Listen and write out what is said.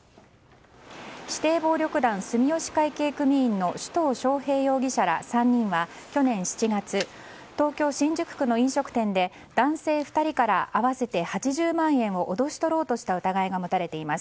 指定暴力団住吉会系組員の首藤翔平容疑者ら３人は去年７月東京・新宿区の飲食店で男性２人から合わせて８０万円を脅し取ろうとした疑いが持たれています。